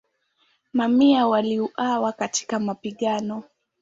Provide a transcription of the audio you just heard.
Mamia waliuawa katika mapigano.